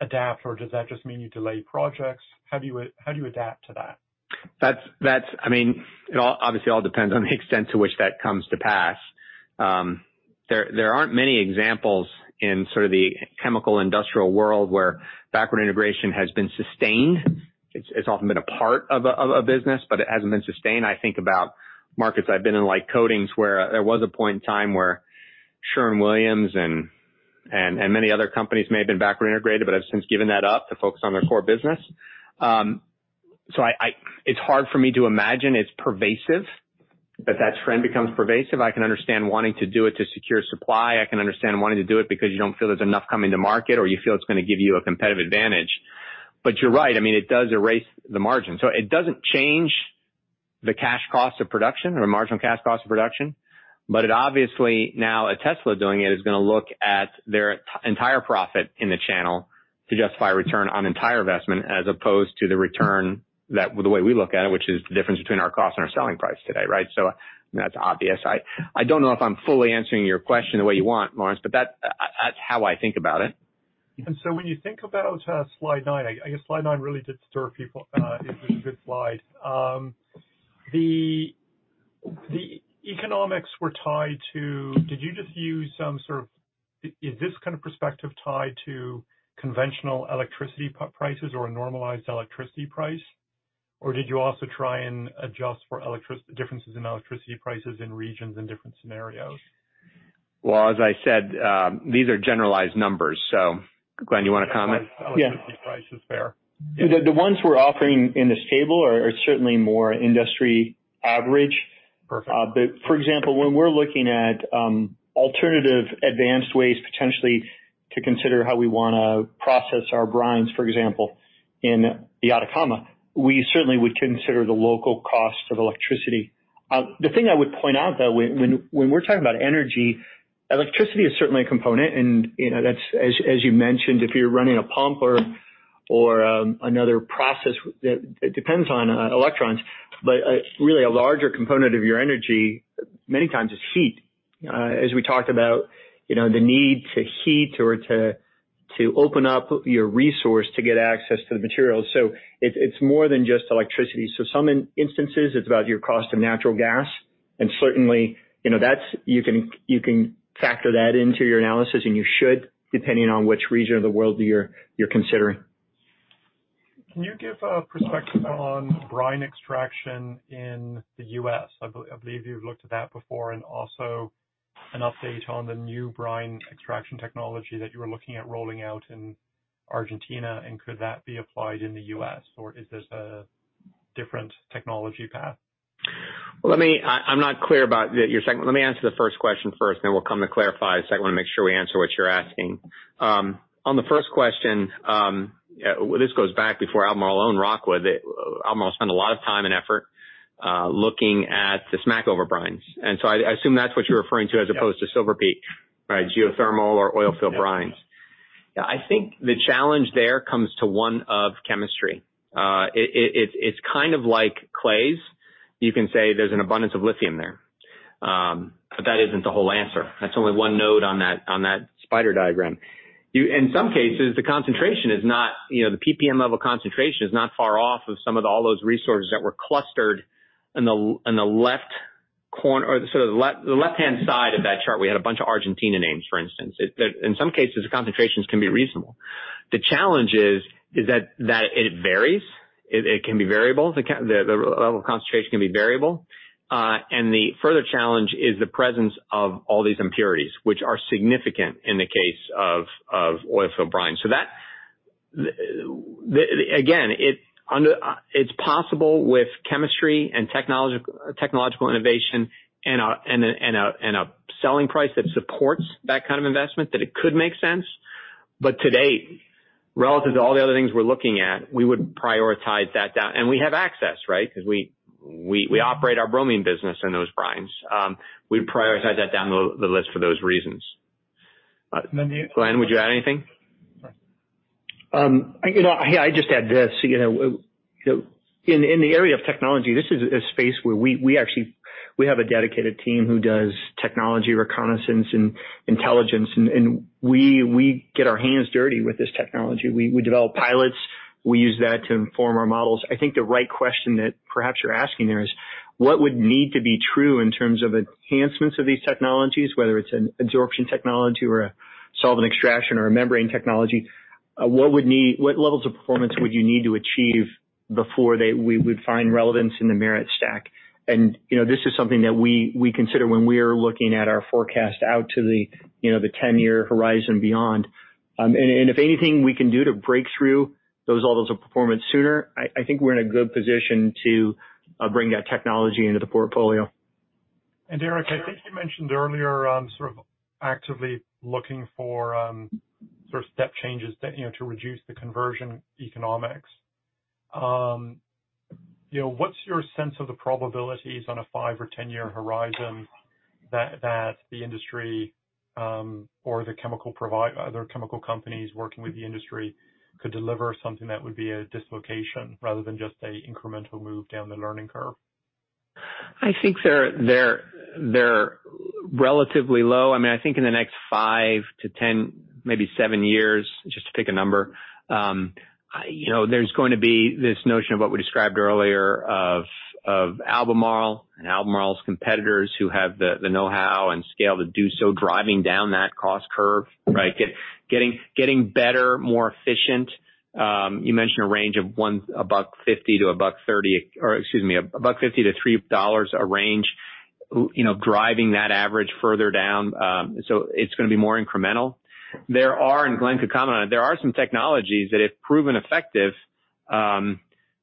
adapt, or does that just mean you delay projects? How do you adapt to that? It obviously all depends on the extent to which that comes to pass. There aren't many examples in sort of the chemical industrial world where backward integration has been sustained. It's often been a part of a business, but it hasn't been sustained. I think about markets I've been in, like coatings, where there was a point in time where Sherwin-Williams and many other companies may have been backward integrated, but have since given that up to focus on their core business. It's hard for me to imagine it's pervasive, that that trend becomes pervasive. I can understand wanting to do it to secure supply. I can understand wanting to do it because you don't feel there's enough coming to market, or you feel it's going to give you a competitive advantage. You're right. It does erase the margin. It doesn't change the cash cost of production or marginal cash cost of production. It obviously now, a Tesla doing it, is going to look at their entire profit in the channel to justify return on entire investment, as opposed to the return the way we look at it, which is the difference between our cost and our selling price today, right? I don't know if I'm fully answering your question the way you want, Laurence, but that's how I think about it. When you think about slide nine, I guess slide nine really did stir people. It was a good slide. The economics were tied to Is this kind of perspective tied to conventional electricity prices or a normalized electricity price? Did you also try and adjust for differences in electricity prices in regions in different scenarios? Well, as I said, these are generalized numbers. Glen, you want to comment? Yeah, electricity prices there. The ones we're offering in this table are certainly more industry average. Perfect. For example, when we're looking at alternative advanced ways potentially to consider how we want to process our brines, for example, in the Atacama, we certainly would consider the local cost of electricity. The thing I would point out, though, when we're talking about energy, electricity is certainly a component, and that's as you mentioned, if you're running a pump or another process that depends on electrons. Really a larger component of your energy many times is heat. As we talked about, the need to heat or to open up your resource to get access to the materials. It's more than just electricity. Some instances, it's about your cost of natural gas, and certainly, you can factor that into your analysis, and you should, depending on which region of the world you're considering. Can you give a perspective on brine extraction in the U.S.? I believe you've looked at that before, and also an update on the new brine extraction technology that you were looking at rolling out in Argentina, and could that be applied in the U.S., or is this a different technology path? I'm not clear about your second. Let me answer the first question first, then we'll come to clarify the second one to make sure we answer what you're asking. On the first question, this goes back before Albemarle owned Rockwood. Albemarle spent a lot of time and effort looking at the Smackover brines. I assume that's what you're referring to as opposed to Silver Peak, right? Geothermal or oil field brines. Yeah, I think the challenge there comes to one of chemistry. It's kind of like clays. You can say there's an abundance of lithium there. That isn't the whole answer. That's only one node on that spider diagram. In some cases, the concentration is not, the PPM level concentration is not far off of some of all those resources that were clustered in the left corner or the left-hand side of that chart. We had a bunch of Argentina names, for instance. In some cases, the concentrations can be reasonable. The challenge is that it varies. It can be variable. The level of concentration can be variable. The further challenge is the presence of all these impurities, which are significant in the case of oil field brine. Again, it's possible with chemistry and technological innovation and a selling price that supports that kind of investment that it could make sense. To date, relative to all the other things we're looking at, we would prioritize that down. We have access, right? Because we operate our bromine business in those brines. We prioritize that down the list for those reasons. Glen, would you add anything? No. I just add this. In the area of technology, this is a space where we have a dedicated team who does technology reconnaissance and intelligence, and we get our hands dirty with this technology. We develop pilots. We use that to inform our models. I think the right question that perhaps you're asking there is what would need to be true in terms of enhancements of these technologies, whether it's an adsorption technology or a solvent extraction or a membrane technology, what levels of performance would you need to achieve before we would find relevance in the merit stack? This is something that we consider when we're looking at our forecast out to the 10 year horizon beyond. If anything we can do to break through those levels of performance sooner, I think we're in a good position to bring that technology into the portfolio. Eric, I think you mentioned earlier sort of actively looking for sort of step changes to reduce the conversion economics. What's your sense of the probabilities on a 5 or 10 year horizon that the industry, or the other chemical companies working with the industry, could deliver something that would be a dislocation rather than just a incremental move down the learning curve? I think they're relatively low. I think in the next 5-10, maybe seven years, just to pick a number, there's going to be this notion of what we described earlier of Albemarle and Albemarle's competitors who have the know-how and scale to do so, driving down that cost curve. Getting better, more efficient. You mentioned a range of $1.50-$3 a range, driving that average further down. It's going to be more incremental. There are, Glen could comment on it, there are some technologies that, if proven effective,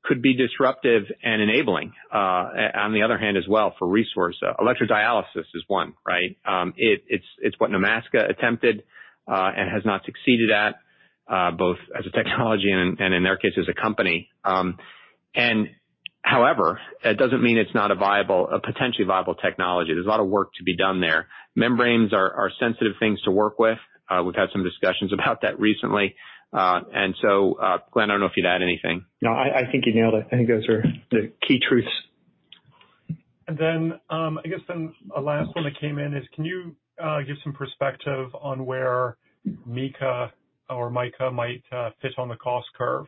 could be disruptive and enabling. On the other hand as well, for resource, electrodialysis is one. It's what Nemaska attempted, and has not succeeded at, both as a technology and in their case, as a company. However, that doesn't mean it's not a potentially viable technology. There's a lot of work to be done there. Membranes are sensitive things to work with. We've had some discussions about that recently. Glen, I don't know if you'd add anything. No, I think you nailed it. I think those are the key truths. I guess then a last one that came in is can you give some perspective on where mica might fit on the cost curve?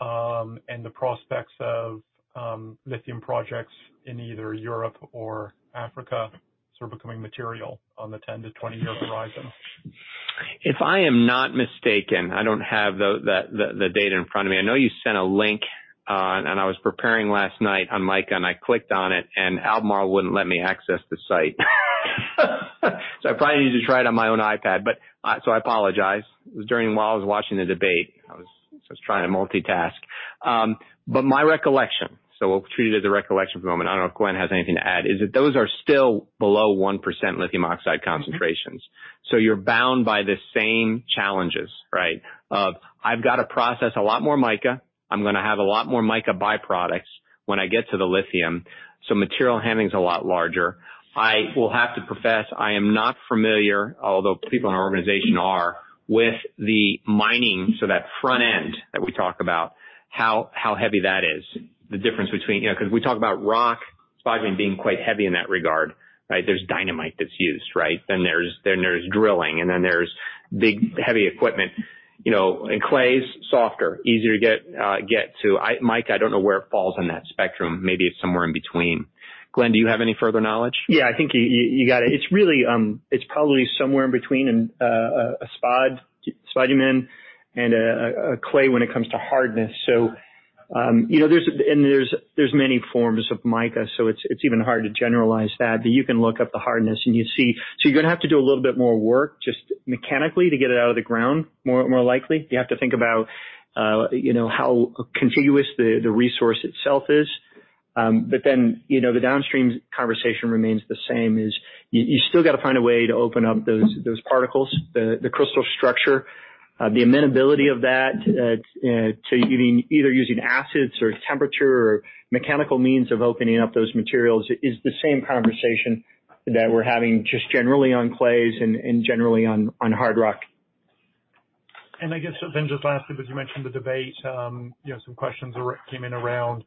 The prospects of lithium projects in either Europe or Africa becoming material on the 10-20 year horizon. If I am not mistaken, I don't have the data in front of me. I know you sent a link, and I was preparing last night on mica, and I clicked on it, and Albemarle wouldn't let me access the site. I probably need to try it on my own iPad, so I apologize. It was during while I was watching the debate. I was trying to multitask. My recollection, so we'll treat it as a recollection for the moment, I don't know if Glen has anything to add, is that those are still below 1% lithium oxide concentrations. You're bound by the same challenges of I've got to process a lot more mica. I'm going to have a lot more mica by-products when I get to the lithium, so material handling's a lot larger. I will have to profess, I am not familiar, although people in our organization are, with the mining, so that front end that we talk about, how heavy that is. Because we talk about rock, spodumene being quite heavy in that regard. There's dynamite that's used. There's drilling, and then there's big, heavy equipment. Clay is softer, easier to get to. Mica, I don't know where it falls on that spectrum. Maybe it's somewhere in between. Glen, do you have any further knowledge? Yeah, I think you got it. It's probably somewhere in between a spodumene and a clay when it comes to hardness. There's many forms of mica, so it's even hard to generalize that. You can look up the hardness and you'd see. You're going to have to do a little bit more work, just mechanically, to get it out of the ground, more likely. You have to think about how contiguous the resource itself is. The downstream conversation remains the same, is you still got to find a way to open up those particles, the crystal structure. The amenability of that to either using acids or temperature or mechanical means of opening up those materials is the same conversation that we're having just generally on clays and generally on hard rock. I guess just lastly, because you mentioned the debate, some questions came in around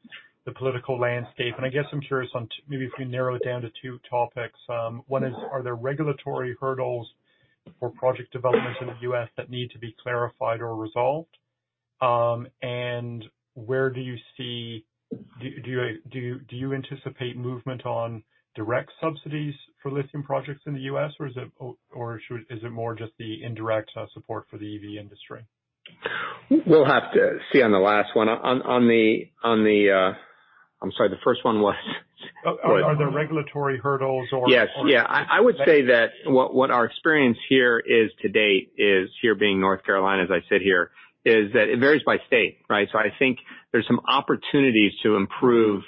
the political landscape, and I guess I'm curious on maybe if we narrow it down to two topics. One is, are there regulatory hurdles for project developments in the U.S. that need to be clarified or resolved? Do you anticipate movement on direct subsidies for lithium projects in the U.S., or is it more just the indirect support for the EV industry? We'll have to see on the last one. I'm sorry, the first one was? Are there regulatory hurdles? Yes. I would say that what our experience here is to date is, here being North Carolina, as I sit here, is that it varies by state. I think there's some opportunities to improve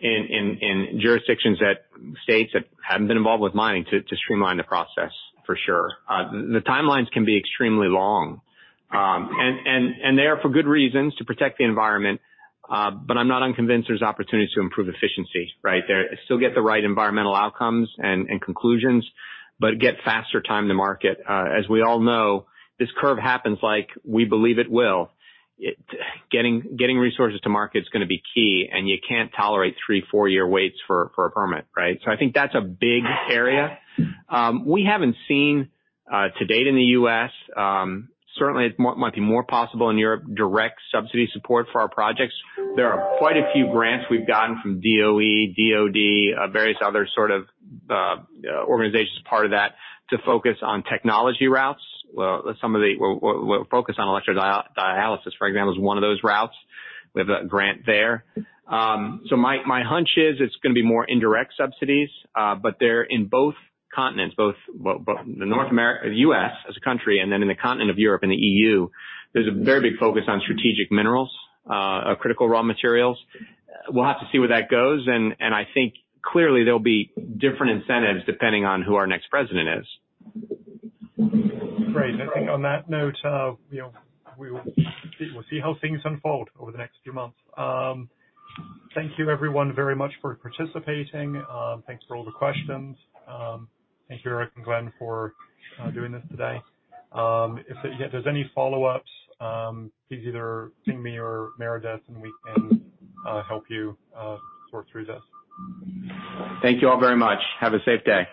in jurisdictions, that states that haven't been involved with mining, to streamline the process, for sure. The timelines can be extremely long. They are for good reasons, to protect the environment. I'm not unconvinced there's opportunities to improve efficiency. Still get the right environmental outcomes and conclusions, but get faster time to market. As we all know, this curve happens like we believe it will. Getting resources to market's going to be key, and you can't tolerate three, four-year waits for a permit. I think that's a big area. We haven't seen, to date in the U.S., certainly it might be more possible in Europe, direct subsidy support for our projects. There are quite a few grants we've gotten from DOE, DOD, various other sort of organizations part of that, to focus on technology routes. Focus on electrodialysis, for example, is one of those routes. We have a grant there. My hunch is it's going to be more indirect subsidies. They're in both continents, both the U.S. as a country, and then in the continent of Europe and the EU, there's a very big focus on strategic minerals, critical raw materials. We'll have to see where that goes, and I think clearly there'll be different incentives depending on who our next president is. Great. I think on that note, we will see how things unfold over the next few months. Thank you everyone very much for participating. Thanks for all the questions. Thank you, Eric and Glen, for doing this today. If there's any follow-ups, please either ping me or Meredith, and we can help you sort through this. Thank you all very much. Have a safe day.